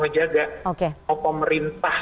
menjaga mau pemerintah